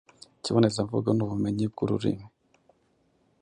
Ikibonezamvugo n’ubumenyi bw’ururimi